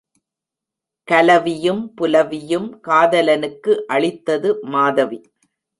கலவியும் புலவியும் காதலனுக்கு அளித்தது மாதவி.